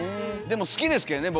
でも好きですけどね